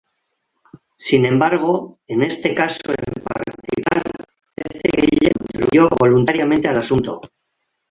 Sin embargo, en este caso en particular parece que ella contribuyó voluntariamente al asunto.